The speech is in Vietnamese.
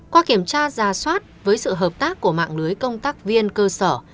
qua kiểm tra ra soát với sự hợp tác của mạng lưới công tác viên cơ sở